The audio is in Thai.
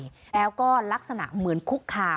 แล้วก็ลักษณะเหมือนคุกคาม